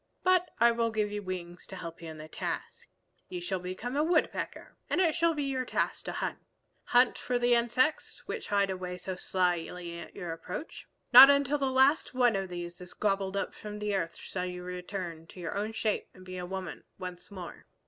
But I will give you wings to help you in the task. You shall become a Woodpecker, and it shall be your task to hunt, hunt for the insects which hide away so slyly at your approach. Not till the last one of these is gobbled up from the earth shall you return to your own shape and be a woman once more."